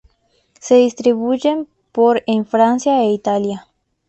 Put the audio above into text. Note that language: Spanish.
Se distribuyen por en Francia e Italia.